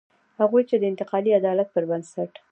هغوی چې د انتقالي عدالت پر بنسټ.